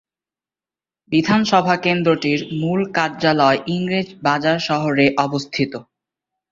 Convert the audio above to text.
বিধানসভা কেন্দ্রটির মূল কার্যালয় ইংরেজ বাজার শহরে অবস্থিত।